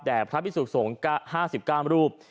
แต่พระพิสูจน์ส่ง๕๙รูป